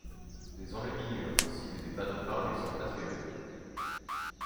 Des enluminures ainsi que des panneaux peints lui sont attribués.